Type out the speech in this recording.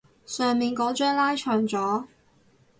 上面嗰張拉長咗